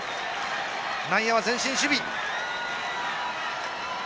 内野は前進守備。